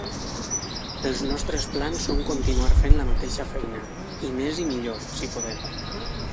Els nostres plans són continuar fent la mateixa feina, i més i millor, si podem.